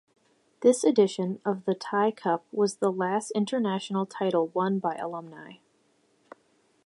This edition of the Tie Cup was the last international title won by Alumni.